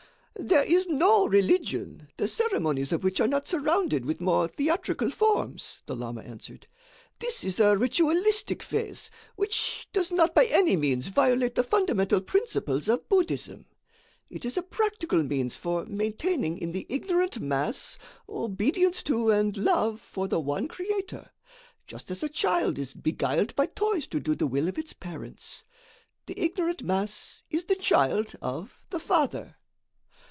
"There is no religion, the ceremonies of which are not surrounded with more theatrical forms," the lama answered. "This is a ritualistic phase which does not by any means violate the fundamental principles of Buddhism. It is a practical means for maintaining in the ignorant mass obedience to and love for the one Creator, just as a child is beguiled by toys to do the will of its parents. The ignorant mass is the child of The Father."